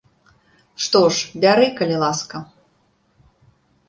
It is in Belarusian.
Што ж, бяры, калі ласка.